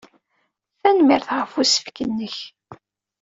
Tanemmirt ɣef usefk-nnek.